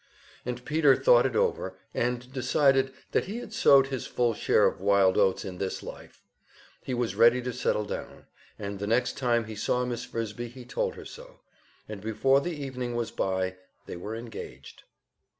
And Peter thought it over and decided that he had sowed his full share of wild oats in this life; he was ready to settle down, and the next time he saw Miss Frisbie he told her so, and before the evening was by they were engaged.